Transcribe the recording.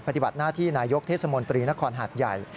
ปฏิบัติหน้าที่นายกเทศมนตรีนครหาดใหญ่